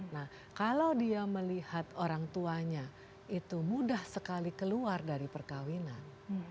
nah kalau dia melihat orang tuanya itu mudah sekali keluar dari perkawinan